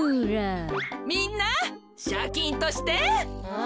みんなシャキンとして。